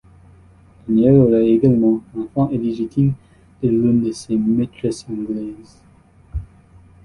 Daniel aura également un enfant illégitime de l'une de ses maîtresses anglaises.